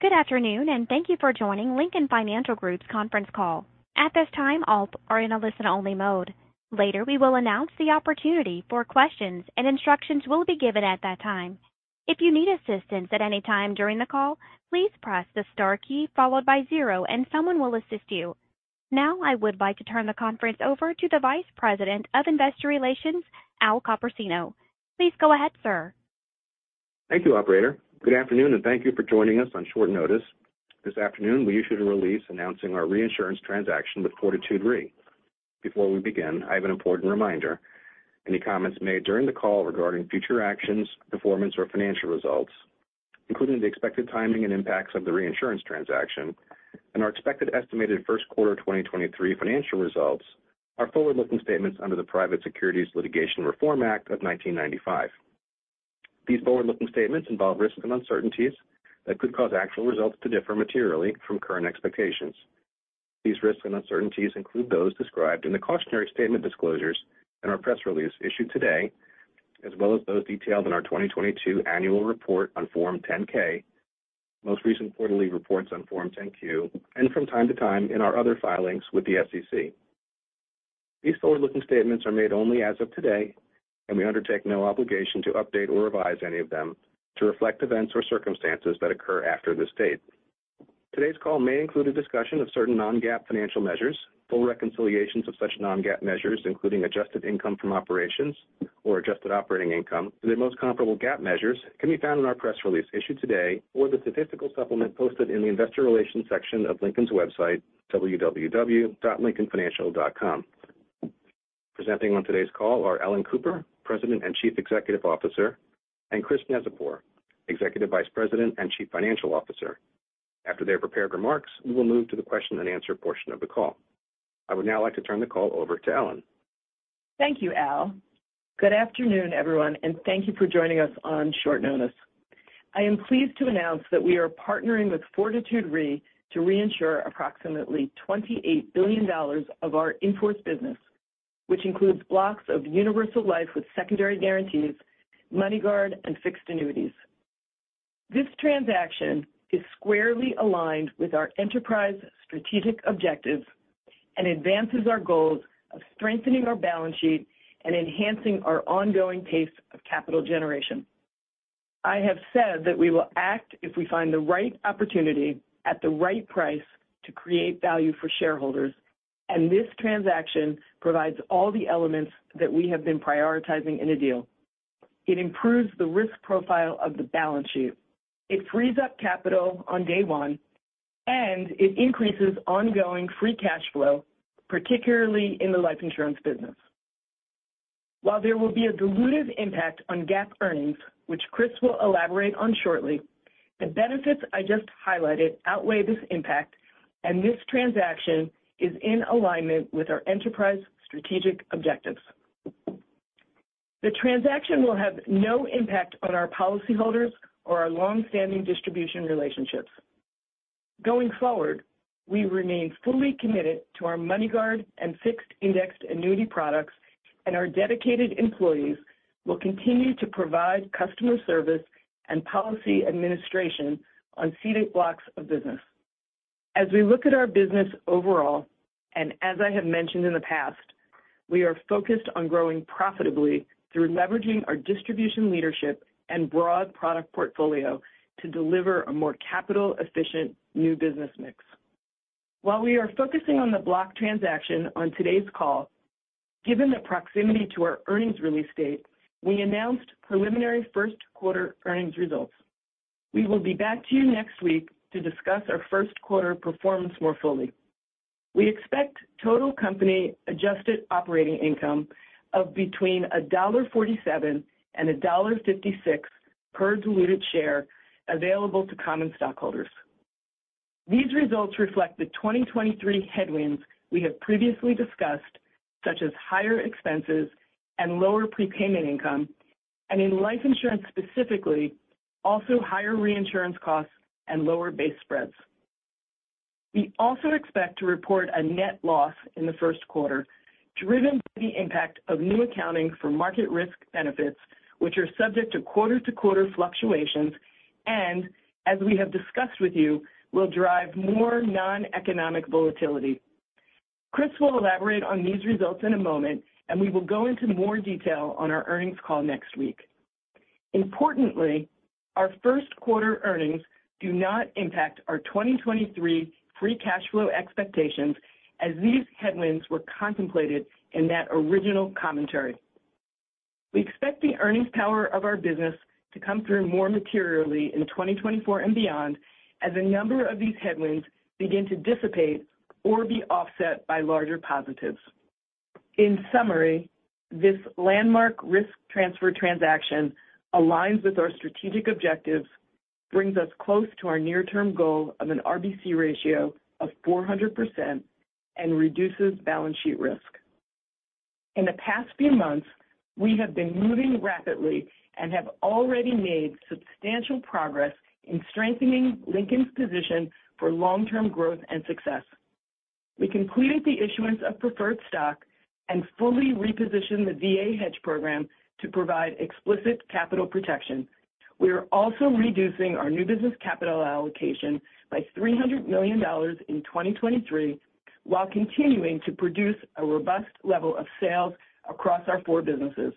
Good afternoon, and thank you for joining Lincoln Financial Group's conference call. At this time, all are in a listen-only mode. Later, we will announce the opportunity for questions, and instructions will be given at that time. If you need assistance at any time during the call, please press the star key followed by zero, and someone will assist you. I would like to turn the conference over to the Vice President of Investor Relations, Al Copersino. Please go ahead, sir. Thank you, operator. Good afternoon, and thank you for joining us on short notice. This afternoon we issued a release announcing our reinsurance transaction with Fortitude Re. Before we begin, I have an important reminder. Any comments made during the call regarding future actions, performance, or financial results, including the expected timing and impacts of the reinsurance transaction and our expected estimated first quarter 2023 financial results are forward-looking statements under the Private Securities Litigation Reform Act of 1995. These forward-looking statements involve risks and uncertainties that could cause actual results to differ materially from current expectations. These risks and uncertainties include those described in the cautionary statement disclosures in our press release issued today, as well as those detailed in our 2022 annual report on Form 10-K, most recent quarterly reports on Form 10-Q, and from time to time in our other filings with the SEC. These forward-looking statements are made only as of today, and we undertake no obligation to update or revise any of them to reflect events or circumstances that occur after this date. Today's call may include a discussion of certain non-GAAP financial measures. Full reconciliations of such non-GAAP measures, including adjusted income from operations or Adjusted Operating Income to the most comparable GAAP measures can be found in our press release issued today or the statistical supplement posted in the investor relations section of Lincoln's website, www.lincolnfinancial.com. Presenting on today's call are Ellen Cooper, President and Chief Executive Officer, and Chris Neczypor, Executive Vice President and Chief Financial Officer. After their prepared remarks, we will move to the question and answer portion of the call. I would now like to turn the call over to Ellen. Thank you, Al. Good afternoon, everyone, and thank you for joining us on short notice. I am pleased to announce that we are partnering with Fortitude Re to reinsure approximately $28 billion of our in-force business, which includes blocks of universal life with secondary guarantees, MoneyGuard, and fixed annuities. This transaction is squarely aligned with our enterprise strategic objectives and advances our goals of strengthening our balance sheet and enhancing our ongoing pace of capital generation. I have said that we will act if we find the right opportunity at the right price to create value for shareholders. This transaction provides all the elements that we have been prioritizing in a deal. It improves the risk profile of the balance sheet. It frees up capital on day one. It increases ongoing free cash flow, particularly in the life insurance business. While there will be a dilutive impact on GAAP earnings, which Chris will elaborate on shortly, the benefits I just highlighted outweigh this impact. This transaction is in alignment with our enterprise strategic objectives. The transaction will have no impact on our policyholders or our long-standing distribution relationships. Going forward, we remain fully committed to our MoneyGuard and fixed indexed annuity products. Our dedicated employees will continue to provide customer service and policy administration on ceded blocks of business. As we look at our business overall, and as I have mentioned in the past, we are focused on growing profitably through leveraging our distribution leadership and broad product portfolio to deliver a more capital efficient new business mix. While we are focusing on the block transaction on today's call, given the proximity to our earnings release date, we announced preliminary first quarter earnings results. We will be back to you next week to discuss our first quarter performance more fully. We expect total company adjusted operating income of between $1.47 and $1.56 per diluted share available to common stockholders. These results reflect the 2023 headwinds we have previously discussed, such as higher expenses and lower prepayment income, and in life insurance specifically, also higher reinsurance costs and lower base spreads. We also expect to report a net loss in the first quarter driven by the impact of new accounting for market risk benefits, which are subject to quarter-to-quarter fluctuations, and as we have discussed with you, will drive more non-economic volatility. Chris will elaborate on these results in a moment, and we will go into more detail on our earnings call next week. Importantly, our first quarter earnings do not impact our 2023 free cash flow expectations as these headwinds were contemplated in that original commentary. We expect the earnings power of our business to come through more materially in 2024 and beyond as a number of these headwinds begin to dissipate or be offset by larger positives. In summary, this landmark risk transfer transaction aligns with our strategic objectives, brings us close to our near-term goal of an RBC ratio of 400%, and reduces balance sheet risk. In the past few months, we have been moving rapidly and have already made substantial progress in strengthening Lincoln's position for long-term growth and success. We completed the issuance of preferred stock and fully repositioned the VA hedge program to provide explicit capital protection. We are also reducing our new business capital allocation by $300 million in 2023, while continuing to produce a robust level of sales across our four businesses.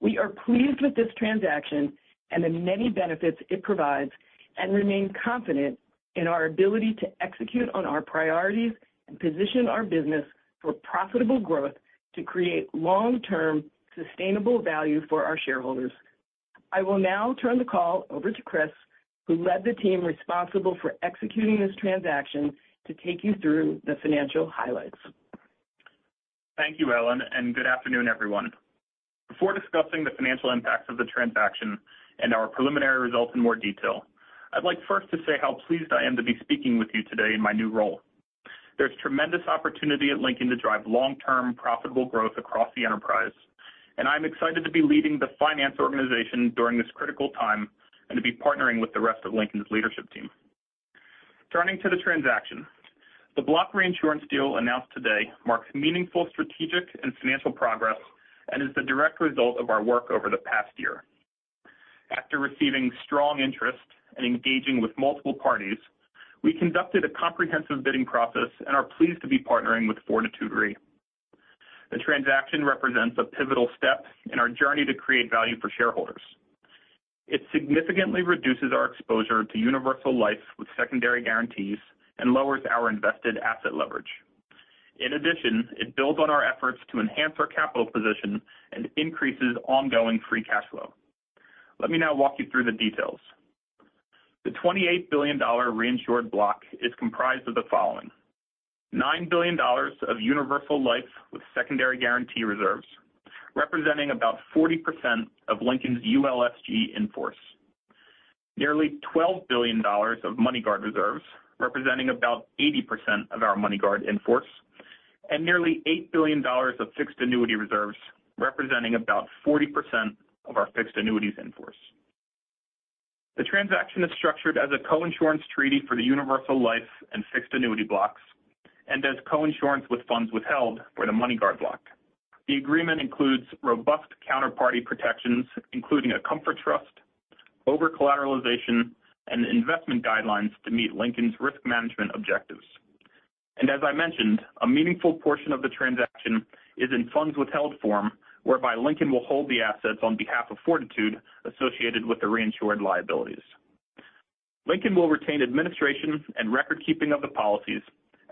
We are pleased with this transaction and the many benefits it provides. We remain confident in our ability to execute on our priorities and position our business for profitable growth to create long-term sustainable value for our shareholders. I will now turn the call over to Chris, who led the team responsible for executing this transaction to take you through the financial highlights. Thank you, Ellen, and good afternoon, everyone. Before discussing the financial impacts of the transaction and our preliminary results in more detail, I'd like first to say how pleased I am to be speaking with you today in my new role. There's tremendous opportunity at Lincoln to drive long-term profitable growth across the enterprise, and I'm excited to be leading the finance organization during this critical time and to be partnering with the rest of Lincoln's leadership team. Turning to the transaction, the block reinsurance deal announced today marks meaningful strategic and financial progress and is the direct result of our work over the past year. After receiving strong interest and engaging with multiple parties, we conducted a comprehensive bidding process and are pleased to be partnering with Fortitude Re. The transaction represents a pivotal step in our journey to create value for shareholders. It significantly reduces our exposure to universal life with secondary guarantees and lowers our invested asset leverage. It builds on our efforts to enhance our capital position and increases ongoing free cash flow. Let me now walk you through the details. The $28 billion reinsured block is comprised of the following: $9 billion of universal life with secondary guarantee reserves, representing about 40% of Lincoln's ULSG in force. Nearly $12 billion of MoneyGuard reserves, representing about 80% of our MoneyGuard in force, and nearly $8 billion of fixed annuity reserves, representing about 40% of our fixed annuities in force. The transaction is structured as a coinsurance treaty for the universal life and fixed annuity blocks and as coinsurance with funds withheld for the MoneyGuard block. The agreement includes robust counterparty protections, including a comfort trust, over-collateralization, and investment guidelines to meet Lincoln's risk management objectives. As I mentioned, a meaningful portion of the transaction is in funds withheld form, whereby Lincoln will hold the assets on behalf of Fortitude Re associated with the reinsured liabilities. Lincoln will retain administration and record keeping of the policies,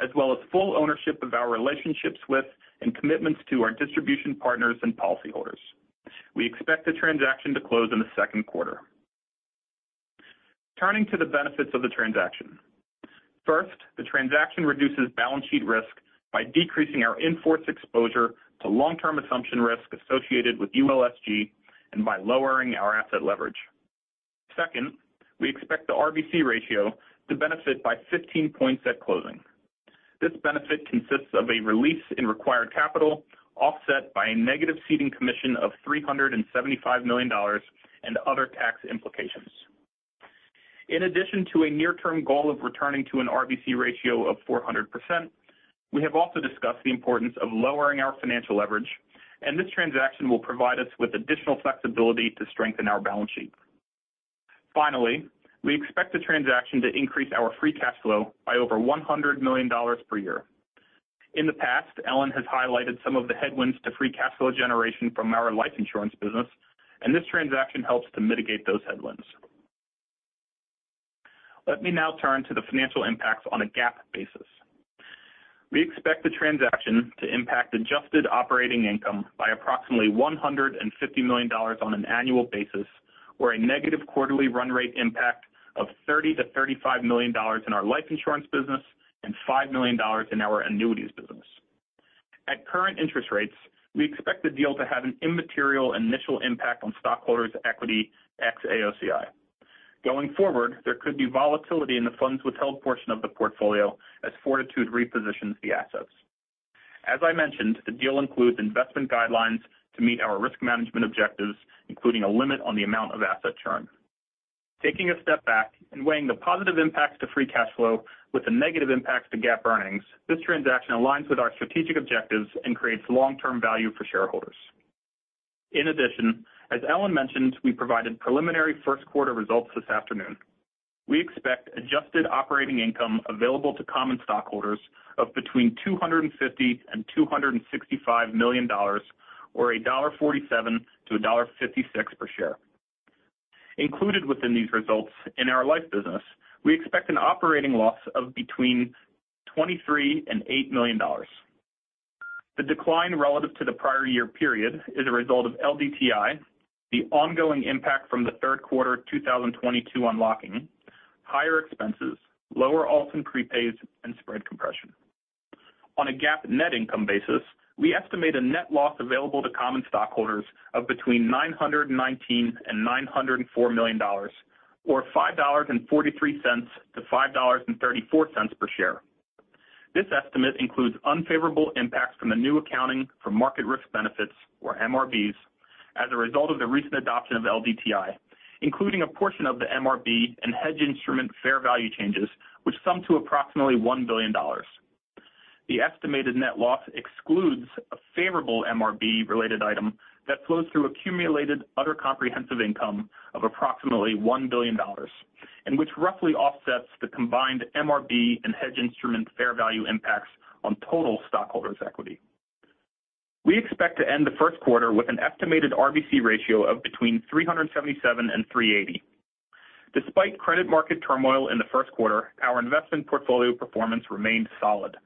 as well as full ownership of our relationships with and commitments to our distribution partners and policyholders. We expect the transaction to close in the second quarter. Turning to the benefits of the transaction. First, the transaction reduces balance sheet risk by decreasing our in-force exposure to long-term assumption risk associated with ULSG and by lowering our asset leverage. Second, we expect the RBC ratio to benefit by 15 points at closing. This benefit consists of a release in required capital offset by a negative ceding commission of $375 million and other tax implications. In addition to a near-term goal of returning to an RBC ratio of 400%, we have also discussed the importance of lowering our financial leverage. This transaction will provide us with additional flexibility to strengthen our balance sheet. Finally, we expect the transaction to increase our free cash flow by over $100 million per year. In the past, Ellen has highlighted some of the headwinds to free cash flow generation from our life insurance business. This transaction helps to mitigate those headwinds. Let me now turn to the financial impacts on a GAAP basis. We expect the transaction to impact adjusted operating income by approximately $150 million on an annual basis, or a negative quarterly run rate impact of $30 million-$35 million in our life insurance business and $5 million in our annuities business. At current interest rates, we expect the deal to have an immaterial initial impact on stockholders' equity ex-AOCI. Going forward, there could be volatility in the funds withheld portion of the portfolio as Fortitude repositions the assets. As I mentioned, the deal includes investment guidelines to meet our risk management objectives, including a limit on the amount of asset churn. Taking a step back and weighing the positive impacts to free cash flow with the negative impacts to GAAP earnings, this transaction aligns with our strategic objectives and creates long-term value for shareholders. In addition, as Ellen mentioned, we provided preliminary first quarter results this afternoon. We expect adjusted operating income available to common stockholders of between $250 million and $265 million, or $1.47 to $1.56 per share. Included within these results in our life business, we expect an operating loss of between $23 million and $8 million. The decline relative to the prior year period is a result of LDTI, the ongoing impact from the third quarter of 2022 unlocking, higher expenses, lower alternative prepayments, and spread compression. On a GAAP net income basis, we estimate a net loss available to common stockholders of between $919 million and $904 million, or $5.43 to $5.34 per share. This estimate includes unfavorable impacts from the new accounting for market risk benefits, or MRBs. As a result of the recent adoption of LDTI, including a portion of the MRB and hedge instrument fair value changes, which sum to approximately $1 billion. The estimated net loss excludes a favorable MRB related item that flows through accumulated other comprehensive income of approximately $1 billion, and which roughly offsets the combined MRB and hedge instrument fair value impacts on total stockholders' equity. We expect to end the first quarter with an estimated RBC ratio of between 377 and 380. Despite credit market turmoil in the first quarter, our investment portfolio performance remained solid.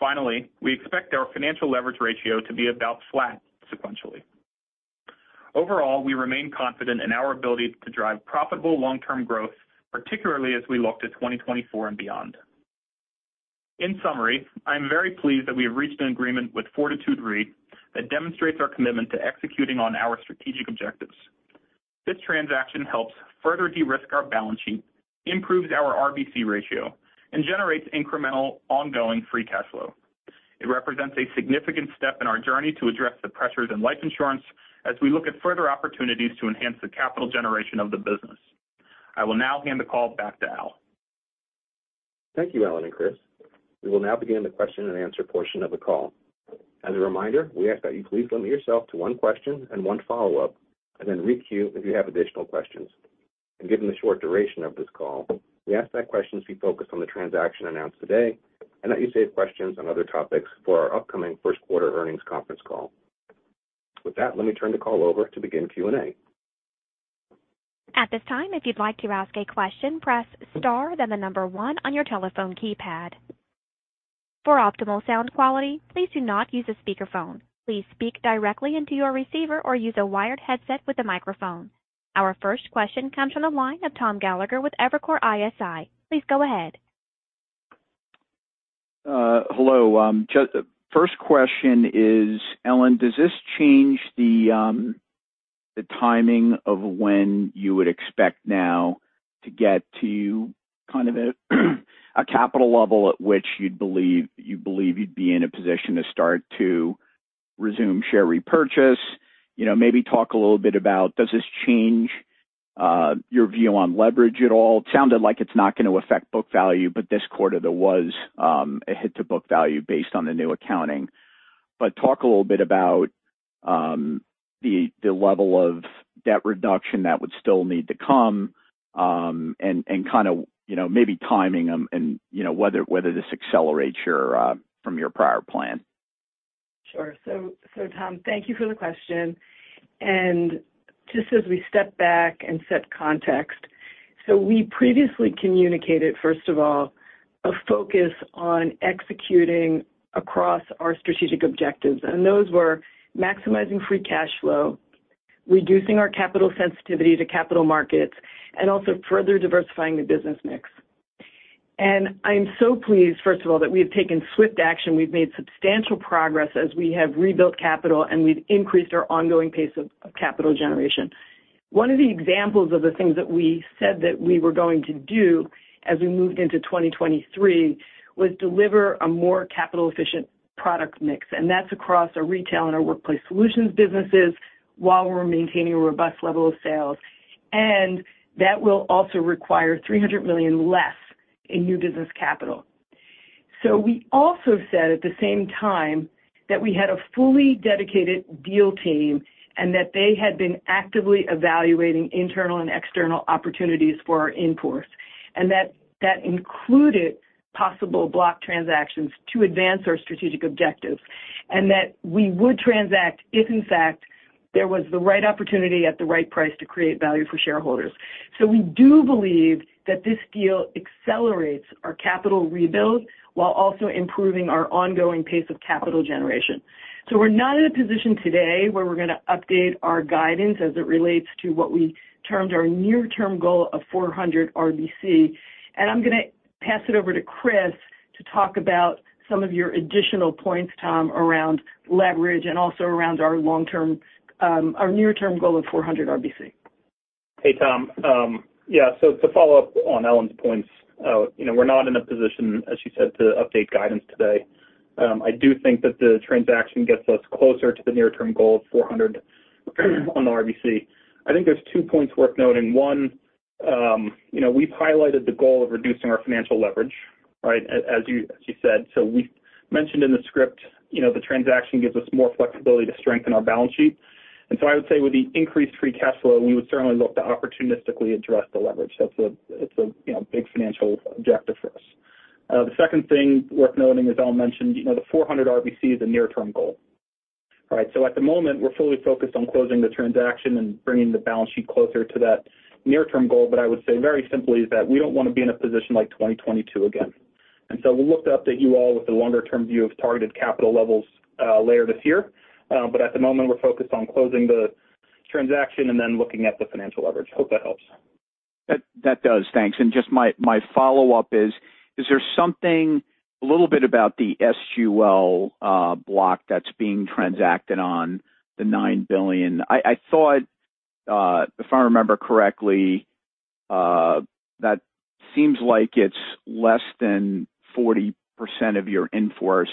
Finally, we expect our financial leverage ratio to be about flat sequentially. Overall, we remain confident in our ability to drive profitable long-term growth, particularly as we look to 2024 and beyond. In summary, I'm very pleased that we have reached an agreement with Fortitude Re that demonstrates our commitment to executing on our strategic objectives. This transaction helps further de-risk our balance sheet, improves our RBC ratio, and generates incremental ongoing free cash flow. It represents a significant step in our journey to address the pressures in life insurance as we look at further opportunities to enhance the capital generation of the business. I will now hand the call back to Al. Thank you, Al and Chris. We will now begin the question and answer portion of the call. As a reminder, we ask that you please limit yourself to one question and one follow-up, and then re-queue if you have additional questions. Given the short duration of this call, we ask that questions be focused on the transaction announced today, and that you save questions on other topics for our upcoming first quarter earnings conference call. With that, let me turn the call over to begin Q&A. At this time, if you'd like to ask a question, press Star, then the number one on your telephone keypad. For optimal sound quality, please do not use a speakerphone. Please speak directly into your receiver or use a wired headset with a microphone. Our first question comes from the line of Tom Gallagher with Evercore ISI. Please go ahead. Hello. Just first question is, Ellen, does this change the timing of when you would expect now to get to kind of a capital level at which you believe you'd be in a position to start to resume share repurchase? You know, maybe talk a little bit about does this change your view on leverage at all? It sounded like it's not going to affect book value, but this quarter there was a hit to book value based on the new accounting. Talk a little bit about the level of debt reduction that would still need to come, and kind of, you know, maybe timing them and, you know, whether this accelerates your from your prior plan? Sure. Tom, thank you for the question. Just as we step back and set context, we previously communicated, first of all, a focus on executing across our strategic objectives, and those were maximizing free cash flow, reducing our capital sensitivity to capital markets, and also further diversifying the business mix. I'm so pleased, first of all, that we have taken swift action. We've made substantial progress as we have rebuilt capital, and we've increased our ongoing pace of capital generation. One of the examples of the things that we said that we were going to do as we moved into 2023 was deliver a more capital efficient product mix. That's across our retail and our workplace solutions businesses while we're maintaining a robust level of sales. That will also require $300 million less in new business capital. We also said at the same time that we had a fully dedicated deal team and that they had been actively evaluating internal and external opportunities for our inforce, and that included possible block transactions to advance our strategic objectives, and that we would transact if in fact there was the right opportunity at the right price to create value for shareholders. We do believe that this deal accelerates our capital rebuild while also improving our ongoing pace of capital generation. We're not in a position today where we're going to update our guidance as it relates to what we termed our near-term goal of 400 RBC. I'm gonna pass it over to Chris to talk about some of your additional points, Tom, around leverage and also around our long-term, our near-term goal of 400 RBC. Hey, Tom. yeah, to follow up on Ellen's points, you know, we're not in a position, as she said, to update guidance today. I do think that the transaction gets us closer to the near-term goal of 400 on the RBC. I think there's 2 points worth noting. One, you know, we've highlighted the goal of reducing our financial leverage, right? As she said. We mentioned in the script, you know, the transaction gives us more flexibility to strengthen our balance sheet. I would say with the increased free cash flow, we would certainly look to opportunistically address the leverage. That's a, you know, big financial objective for us. The second thing worth noting, as Ellen mentioned, you know, the 400 RBC is a near-term goal. All right. At the moment we're fully focused on closing the transaction and bringing the balance sheet closer to that near-term goal. I would say very simply is that we don't want to be in a position like 2022 again. We'll look to update you all with a longer-term view of targeted capital levels later this year. At the moment we're focused on closing the transaction and then looking at the financial leverage. Hope that helps. That does. Thanks. Just my follow-up is there something a little bit about the ULSG block that's being transacted on the $9 billion? I thought if I remember correctly. That seems like it's less than 40% of your in-force,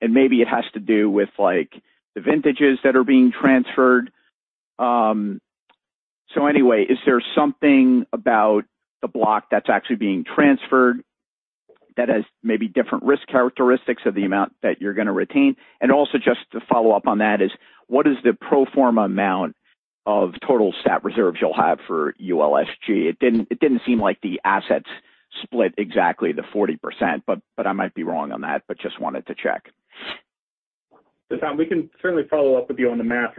and maybe it has to do with like the vintages that are being transferred. Anyway, is there something about the block that's actually being transferred that has maybe different risk characteristics of the amount that you're gonna retain? Also just to follow up on that is what is the pro forma amount of total stat reserves you'll have for ULSG? It didn't seem like the assets split exactly the 40%, but I might be wrong on that, but just wanted to check. Tom, we can certainly follow up with you on the math.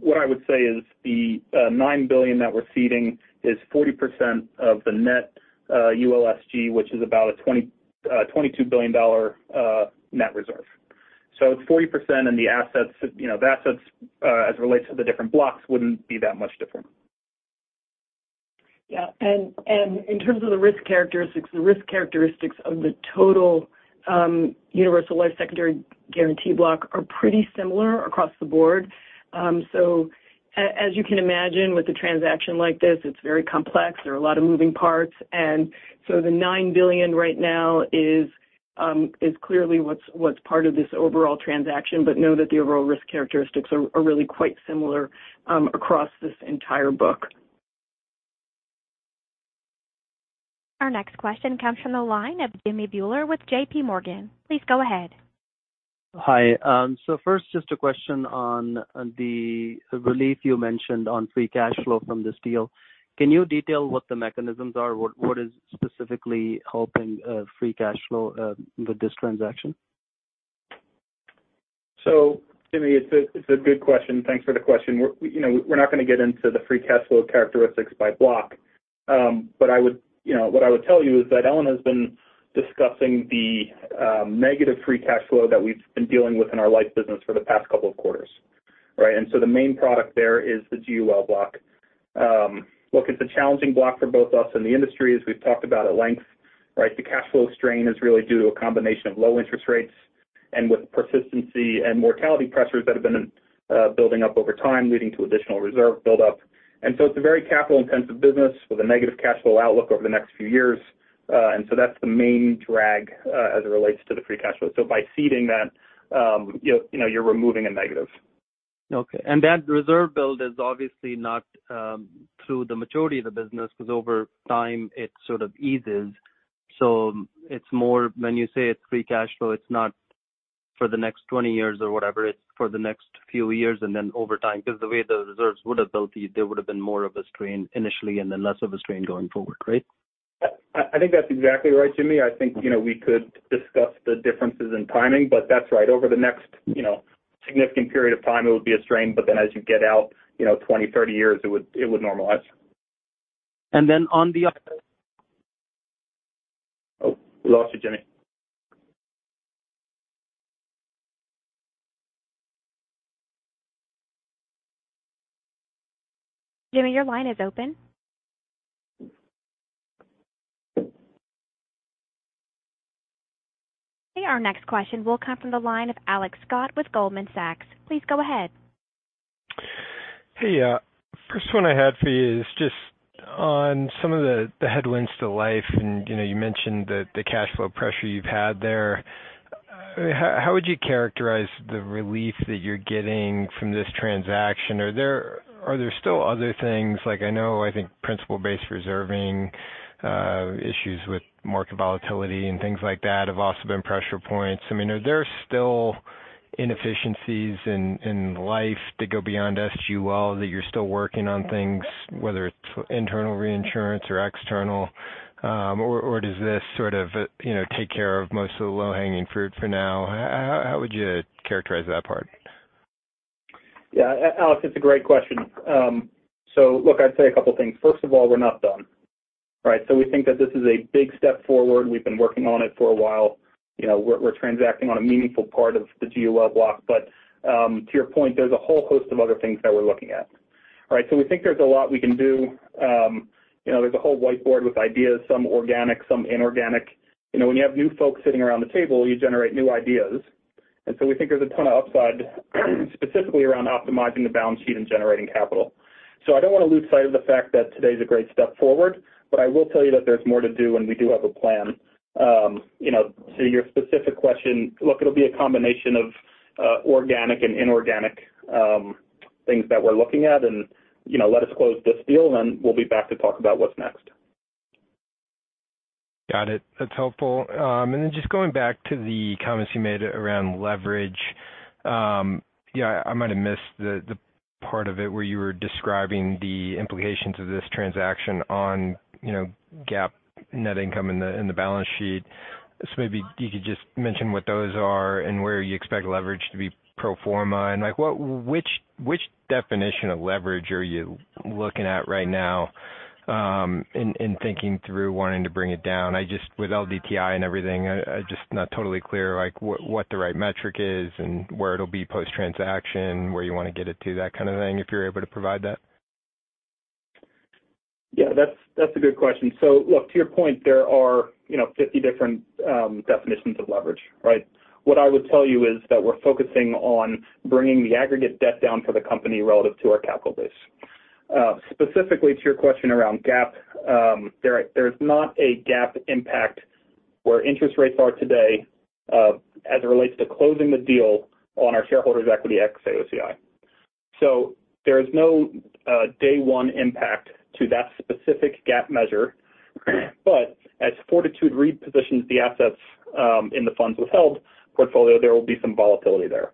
What I would say is the $9 billion that we're ceding is 40% of the net ULSG, which is about a $22 billion net reserve. It's 40% and the assets, you know, as it relates to the different blocks wouldn't be that much different. Yeah. In terms of the risk characteristics, the risk characteristics of the total Universal Life Secondary Guarantee block are pretty similar across the board. As you can imagine with a transaction like this, it's very complex. There are a lot of moving parts. The $9 billion right now is clearly what's part of this overall transaction. Know that the overall risk characteristics are really quite similar across this entire book. Our next question comes from the line of Jimmy Bhullar with JP Morgan. Please go ahead. Hi. First, just a question on the relief you mentioned on free cash flow from this deal. Can you detail what the mechanisms are? What is specifically helping free cash flow with this transaction? Jimmy, it's a good question. Thanks for the question. We're, you know, we're not gonna get into the free cash flow characteristics by block. You know, what I would tell you is that Ellen has been discussing the negative free cash flow that we've been dealing with in our life business for the past couple of quarters, right? The main product there is the GUL block. Look, it's a challenging block for both us and the industry, as we've talked about at length, right? The cash flow strain is really due to a combination of low interest rates and with persistency and mortality pressures that have been building up over time, leading to additional reserve buildup. It's a very capital-intensive business with a negative cash flow outlook over the next few years. That's the main drag, as it relates to the free cash flow. By ceding that, you know, you're removing a negative. Okay. That reserve build is obviously not through the majority of the business because over time, it sort of eases. It's more when you say it's free cash flow, it's not for the next 20 years or whatever, it's for the next few years and then over time, because the way the reserves would have built, there would have been more of a strain initially and then less of a strain going forward, right? I think that's exactly right, Jimmy. I think, you know, we could discuss the differences in timing. That's right. Over the next, you know, significant period of time, it would be a strain. As you get out, you know, 20, 30 years, it would normalize. And then on the- Oh, we lost you, Jimmy. Jimmy, your line is open. Okay. Our next question will come from the line of Alex Scott with Goldman Sachs. Please go ahead. Hey, first one I had for you is just on some of the headwinds to Life. You know, you mentioned the cash flow pressure you've had there. How would you characterize the relief that you're getting from this transaction? Are there still other things like I know, I think, principle-based reserving issues with market volatility and things like that have also been pressure points. I mean, are there still inefficiencies in Life that go beyond ULSG that you're still working on things, whether it's internal reinsurance or external? Or does this sort of, you know, take care of most of the low-hanging fruit for now? How would you characterize that part? Yeah, Alex, it's a great question. Look, I'd say two things. First of all, we're not done, right? We think that this is a big step forward. We've been working on it for a while. You know, we're transacting on a meaningful part of the GUL block. To your point, there's a whole host of other things that we're looking at, right? We think there's a lot we can do. You know, there's a whole whiteboard with ideas, some organic, some inorganic. You know, when you have new folks sitting around the table, you generate new ideas. We think there's a ton of upside, specifically around optimizing the balance sheet and generating capital. I don't wanna lose sight of the fact that today's a great step forward, but I will tell you that there's more to do, and we do have a plan. You know, to your specific question, look, it'll be a combination of organic and inorganic things that we're looking at. You know, let us close this deal, then we'll be back to talk about what's next. Got it. That's helpful. Then just going back to the comments you made around leverage. I might have missed the part of it where you were describing the implications of this transaction on, you know, GAAP net income in the balance sheet. Maybe you could just mention what those are and where you expect leverage to be pro forma, and, like, what which definition of leverage are you looking at right now in thinking through wanting to bring it down? With LDTI and everything, I just not totally clear, like, what the right metric is and where it'll be post-transaction, where you wanna get it to, that kind of thing, if you're able to provide that. Yeah, that's a good question. Look, to your point, there are, you know, 50 different definitions of leverage, right? What I would tell you is that we're focusing on bringing the aggregate debt down for the company relative to our capital base. Specifically to your question around GAAP, there's not a GAAP impact where interest rates are today as it relates to closing the deal on our shareholders equity ex AOCI. There is no day one impact to that specific GAAP measure, but as Fortitude repositions the assets in the funds withheld portfolio, there will be some volatility there.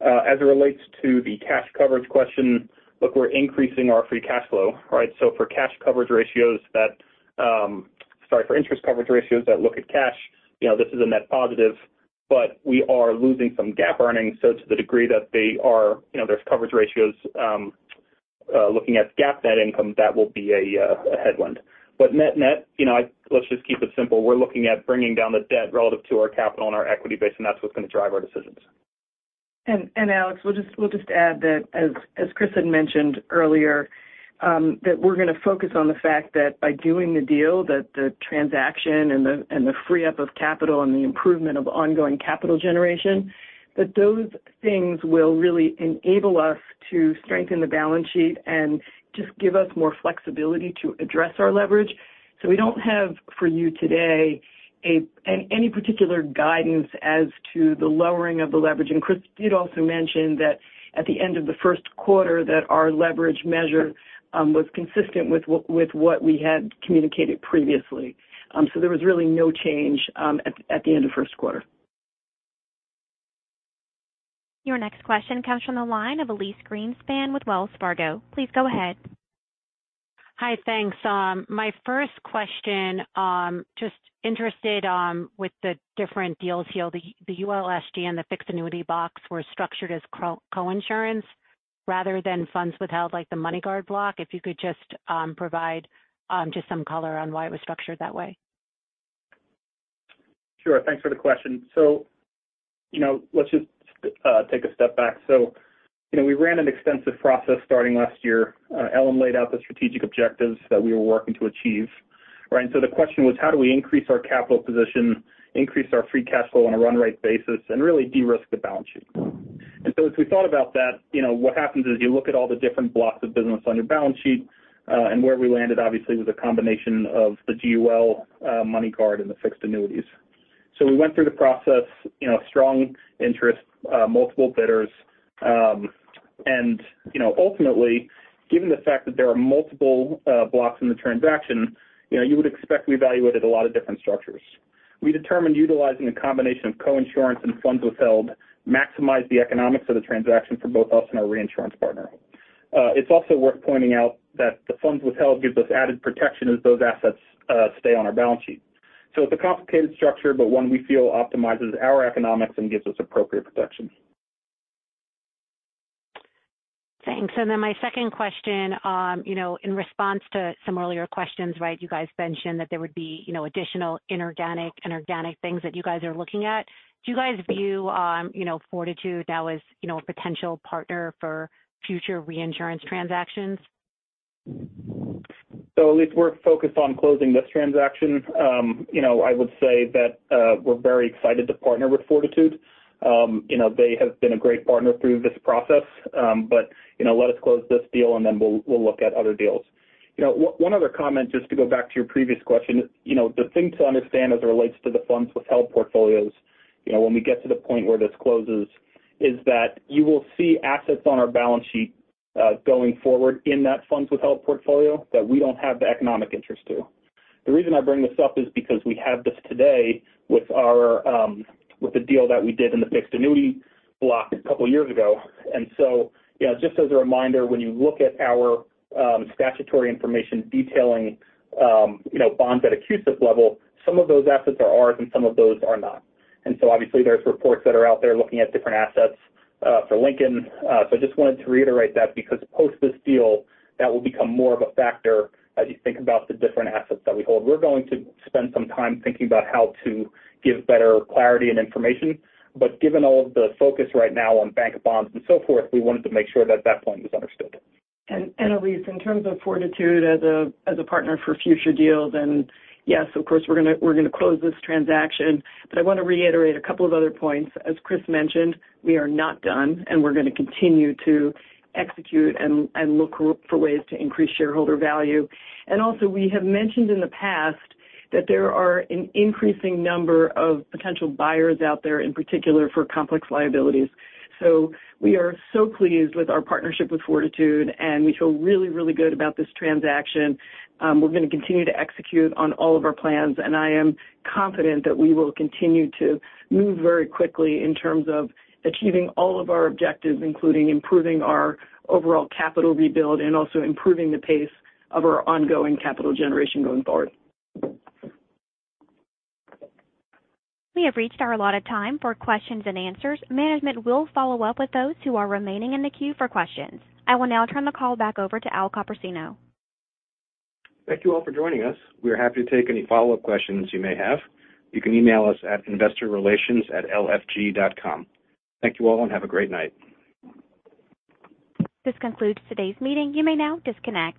As it relates to the cash coverage question, look, we're increasing our free cash flow, right? For cash coverage ratios that, sorry for interest coverage ratios that look at cash, you know, this is a net positive, but we are losing some GAAP earnings. To the degree that they are, you know, there's coverage ratios looking at GAAP net income, that will be a headwind. Net-net, you know, let's just keep it simple. We're looking at bringing down the debt relative to our capital and our equity base, and that's what's gonna drive our decisions. Alex, we'll just add that as Chris had mentioned earlier, that we're going to focus on the fact that by doing the deal, that the transaction and the free up of capital and the improvement of ongoing capital generation, that those things will really enable us to strengthen the balance sheet and just give us more flexibility to address our leverage. We don't have for you today any particular guidance as to the lowering of the leverage. Chris did also mention that at the end of the first quarter that our leverage measure was consistent with what we had communicated previously. There was really no change at the end of first quarter. Your next question comes from the line of Elyse Greenspan with Wells Fargo. Please go ahead. Hi. Thanks. My first question, just interested with the different deals here. The ULSG and the fixed annuity box were structured as coinsurance rather than funds withheld like the MoneyGuard block. If you could just provide just some color on why it was structured that way. Sure. Thanks for the question. you know, let's just take a step back. you know, we ran an extensive process starting last year. Ellen laid out the strategic objectives that we were working to achieve, right? The question was, how do we increase our capital position, increase our free cash flow on a run rate basis, and really de-risk the balance sheet? As we thought about that, you know, what happens is you look at all the different blocks of business on your balance sheet, and where we landed obviously was a combination of the GUL, MoneyGuard and the fixed annuities. We went through the process, you know, strong interest, multiple bidders, ultimately, given the fact that there are multiple blocks in the transaction, you know, you would expect we evaluated a lot of different structures. We determined utilizing a combination of coinsurance and funds withheld maximize the economics of the transaction for both us and our reinsurance partner. It's also worth pointing out that the funds withheld gives us added protection as those assets stay on our balance sheet. It's a complicated structure, but one we feel optimizes our economics and gives us appropriate protection. Thanks. My second question, you know, in response to some earlier questions, right, you guys mentioned that there would be, you know, additional inorganic and organic things that you guys are looking at. Do you guys view, you know, Fortitude now as, you know, a potential partner for future reinsurance transactions? Elyse, we're focused on closing this transaction. You know, I would say that we're very excited to partner with Fortitude Re. You know, they have been a great partner through this process. Let us close this deal, and then we'll look at other deals. You know, one other comment, just to go back to your previous question. You know, the thing to understand as it relates to the funds withheld portfolios, you know, when we get to the point where this closes, is that you will see assets on our balance sheet going forward in that funds withheld portfolio that we don't have the economic interest to. The reason I bring this up is because we have this today with our with the deal that we did in the fixed annuity block a couple years ago. You know, just as a reminder, when you look at our, statutory information detailing, you know, bonds at a CUSIP level, some of those assets are ours and some of those are not. Obviously there's reports that are out there looking at different assets for Lincoln. I just wanted to reiterate that because post this deal, that will become more of a factor as you think about the different assets that we hold. We're going to spend some time thinking about how to give better clarity and information, but given all of the focus right now on bank bonds and so forth, we wanted to make sure that that point was understood. Elyse, in terms of Fortitude Re as a partner for future deals, and yes, of course, we're gonna close this transaction, but I wanna reiterate a couple of other points. As Chris mentioned, we are not done, and we're gonna continue to execute and look for ways to increase shareholder value. Also we have mentioned in the past that there are an increasing number of potential buyers out there, in particular for complex liabilities. We are so pleased with our partnership with Fortitude Re, and we feel really, really good about this transaction. We're gonna continue to execute on all of our plans, and I am confident that we will continue to move very quickly in terms of achieving all of our objectives, including improving our overall capital rebuild and also improving the pace of our ongoing capital generation going forward. We have reached our allotted time for questions and answers. Management will follow up with those who are remaining in the queue for questions. I will now turn the call back over to Al Copersino. Thank you all for joining us. We are happy to take any follow-up questions you may have. You can email us at investorrelations@lfg.com. Thank you all and have a great night. This concludes today's meeting. You may now disconnect.